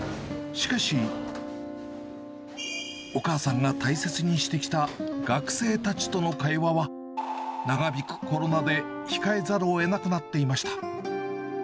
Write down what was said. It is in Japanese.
しかし、お母さんが大切にしてきた学生たちとの会話は、長引くコロナで控えざるをえなくなっていました。